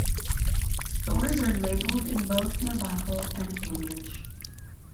Stores are labeled in both Navajo and English.